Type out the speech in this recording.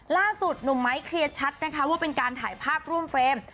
ล่าสุดหนุ่มไม้เคลียร์ชัดนะคะว่าเป็นการถ่ายภาพร่วมเฟรม